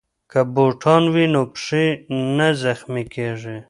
که بوټان وي نو پښې نه زخمي کیږي.